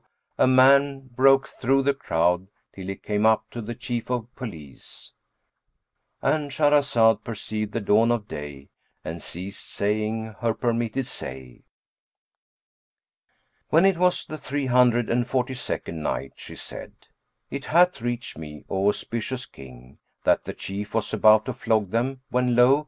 a man broke through the crowd till he came up to the Chief of Police,—And Shahrazad perceived the dawn of day and ceased saying her permitted say. When it was the Three Hundred and Forty second Night, She said, It hath reached me, O auspicious King, that the Chief was about to flog them when lo!